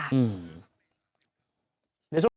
อืม